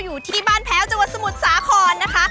อยู่ที่บ้านแพ้วจังหวัดสมุทรสาครนะคะ